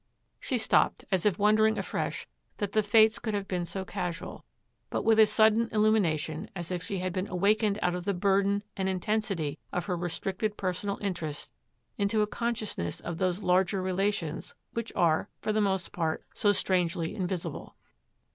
She stopped, as if wondering afresh that the Fates could have been so casual, but with a sudden illumination, as if she had been awakened out of the burden and intensity of her restricted personal interests into a consciousness of those larger relations which are, for the most part, so strangely invisible.